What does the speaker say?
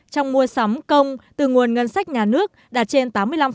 trong mua sắm công từ nguồn ngân sách nhà nước đạt trên tám mươi năm